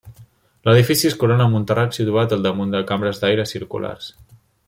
L'edifici es corona amb un terrat situat al damunt de cambres d'aire circulars.